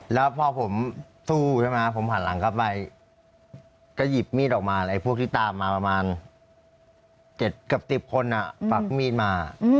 แล้วพอผมสู้ใช่ไหมผมหันหลังเข้าไปก็หยิบมีดออกมาไอ้พวกที่ตามมาประมาณ๗เกือบ๑๐คนปักมีดมา